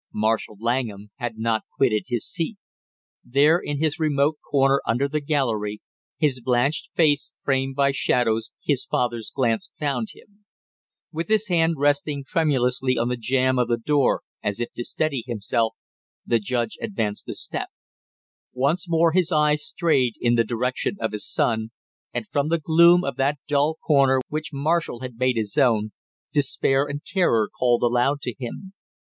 Marshall Langham had not quitted his seat. There in his remote corner under the gallery, his blanched face framed by shadows, his father's glance found him. With his hand resting tremulously on the jamb of the door as if to steady himself, the judge advanced a step. Once more his eyes strayed in the direction of his son, and from the gloom of that dull corner which Marshall had made his own, despair and terror called aloud to him.